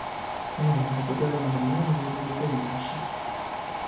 Ой, упаде вона на мене й на дітей наших!